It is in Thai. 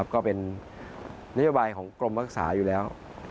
ก็เป็นนโยบายของกรมรักษาอยู่แล้ว